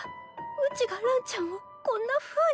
うちがランちゃんをこんなふうに